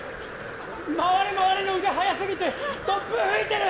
回れ回れの腕、速すぎて突風吹いてる！